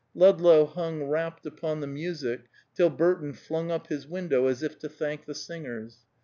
Ludlow hung rapt upon the music till Burton flung up his window, as if to thank the singers.